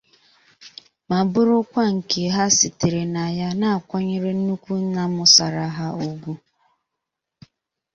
ma bụrụkwa nke ha sitèrè na ya na-akwanyere nnukwu nna mụsàrà ha ùgwù